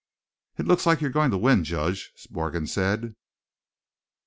"It looks like you're going to win, Judge," Morgan said.